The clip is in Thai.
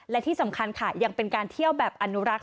และที่สำคัญค่ะยังเป็นการเที่ยวแบบอนุรักษ